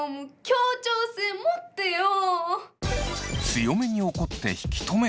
協調性持ってよ！